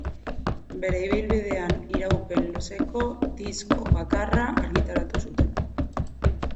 Bere ibilbidean iraupen luzeko disko bakarra argitaratu zuten.